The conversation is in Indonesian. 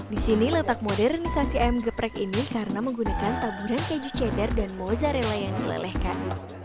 di sini letak modernisasi ayam geprek ini karena menggunakan taburan keju cheddar dan mozzarella yang dilelehkan